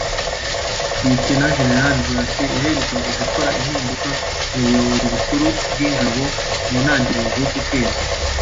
Lt-Gen Buratai yaherukaga gukora impinduka mu buyobozi bukuru bw’ingabo mu ntangiriro z’uku kwezi